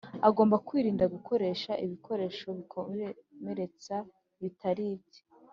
agomba kwirinda gukoresha ibikoresho bikomeretsa bitari ibye